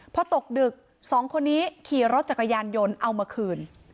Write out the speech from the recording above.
พอตกดึกสองคนนี้ขี่รถจักรยานยนต์เอามาคืน